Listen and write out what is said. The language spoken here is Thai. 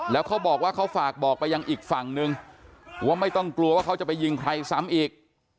แล้วเขาบอกว่าเขาฝากบอกไปยังอีกฝั่งนึงว่าไม่ต้องกลัวว่าเขาจะไปยิงใครซ้ำอีก